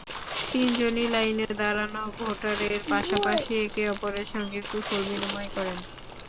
তিনজনই লাইনে দাঁড়ানো ভোটারের পাশাপাশি একে অপরের সঙ্গে কুশল বিনিময় করেন।